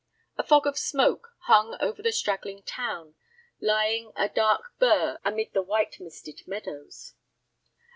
A fog of smoke hung over the straggling town, lying a dark blurr amid the white misted meadows.